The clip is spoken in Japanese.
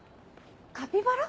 カピバラ？